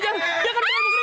sana lu masuk lu